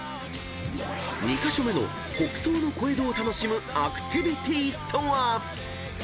［２カ所目の北総の小江戸を楽しむアクティビティとは？］